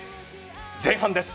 前半です。